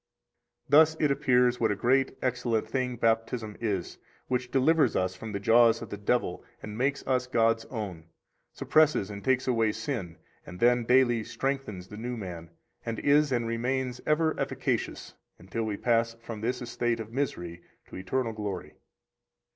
83 Thus it appears what a great, excellent thing Baptism is, which delivers us from the jaws of the devil and makes us God's own, suppresses and takes away sin, and then daily strengthens the new man; and is and remains ever efficacious until we pass from this estate of misery to eternal glory.